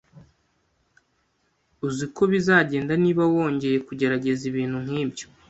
Uzi uko bizagenda niba wongeye kugerageza ibintu nkibyo.